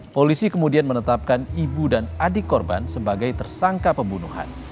polisi kemudian menetapkan ibu dan adik korban sebagai tersangka pembunuhan